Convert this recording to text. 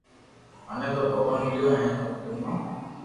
مني تو ڀگوان مليو ھين ۾ او ڪنو